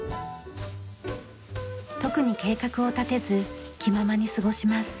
特に計画を立てず気ままに過ごします。